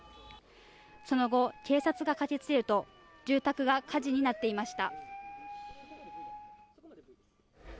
その後、警察が駆けつけると、住宅が火事になっていました。